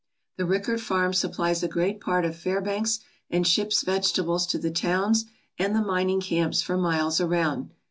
The Rickert farm supplies a great part of Fairbanks and ships vegetables to the towns and the mining camps for miles around.